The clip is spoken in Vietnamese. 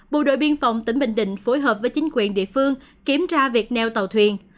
bộ đội biên phòng tỉnh bình định phối hợp với chính quyền địa phương kiểm tra việc neo tàu thuyền